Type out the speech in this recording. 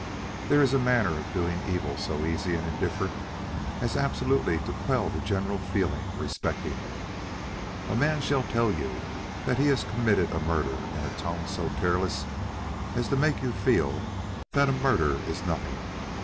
"There is a manner of doing evil so easy and indifferent as absolutely to quell the general feeling respecting it. A man shall tell you that he has committed a murder in a tone so careless as to make you feel that a murder is nothing.